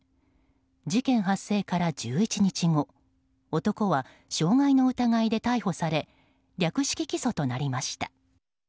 事件発生から１１日後男は傷害の疑いで逮捕され略式起訴となりました。